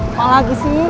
apa lagi sih